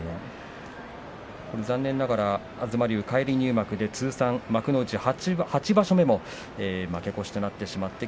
残念ながら返り入幕で通算幕内８場所目も負け越しとなってしまいました。